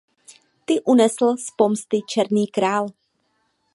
Ty unesl z pomsty Černý král.